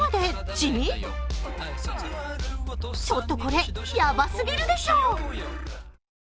ちょっとこれ、ヤバすぎるでしょ？